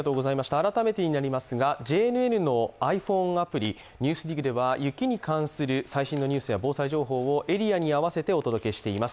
改めてになりますがＪＮＮのｉＰｈｏｎｅアプリ「ＮＥＷＳＤＩＧ」では雪に関する最新のニュースや防災情報をエリアに合わせてお届けしています。